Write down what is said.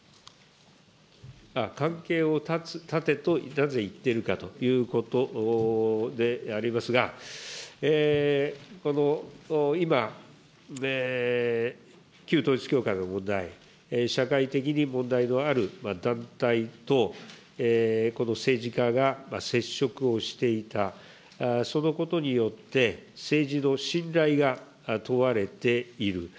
関係を断てとなぜ言っているかということでありますが、今、旧統一教会の問題、社会的に問題のある団体と、この政治家が接触をしていた、そのことによって、政治の信頼が問われている。